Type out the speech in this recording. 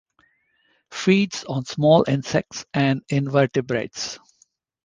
Feeds on small insects and invertebrates.